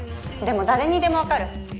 でも誰にでもわかる。